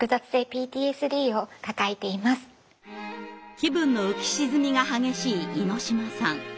気分の浮き沈みが激しい猪島さん。